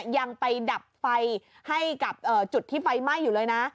ยังไปดับไฟให้กับจุดที่ไฟไหม้อยู่เลยนะ